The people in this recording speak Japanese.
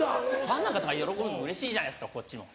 ファンの方が喜ぶのうれしいじゃないですかこっちも。